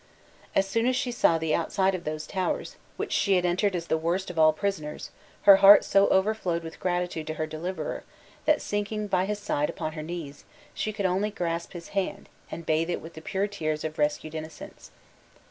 As soon as she saw the outside of those towers, which she had entered as the worst of all prisoners, her heart so overflowed with gratitude to her deliverer, that sinking by his side upon her knees, she could only grasp his hand, and bathe it with the pure tears of rescued innocence.